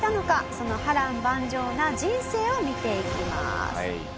その波瀾万丈な人生を見ていきます。